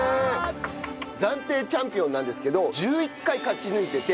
暫定チャンピオンなんですけど１１回勝ち抜いていて。